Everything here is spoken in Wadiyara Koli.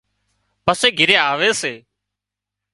پسي گھري آوي سي